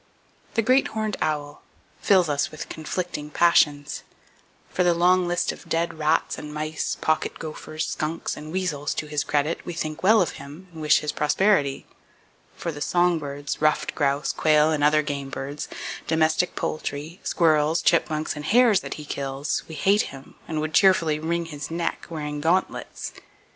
The Great Horned Owl fills us with conflicting passions. For the long list of dead rats and mice, pocket gophers, skunks, and weasels to his credit, we think well of him, and wish his prosperity. For the song birds, ruffed grouse, quail, other game birds, domestic poultry, squirrels, chipmunks and hares that he kills, we hate him, and would cheerfully wring his neck, wearing gauntlets.